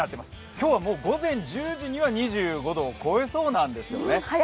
今日は、午前１０時には２５度を超えそうなんですよね。